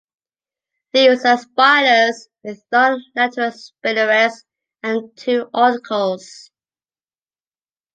These are spiders with long lateral spinnerets and two articles.